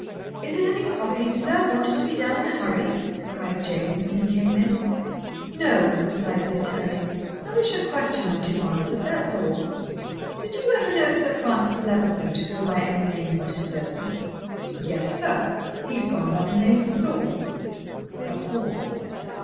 "Is it any copying, sir, wanted to be done in a hurry?" cried James, when he came in. "No," replied the attorney. "I wish a question or two answered, that's all. Did you ever know Sir Francis Levison to go by any name but his own?" "Yes, sir. He has gone by the name of Thorn." A pause.